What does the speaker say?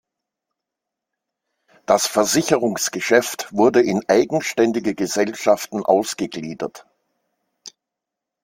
Das Versicherungsgeschäft wurde in eigenständige Gesellschaften ausgegliedert.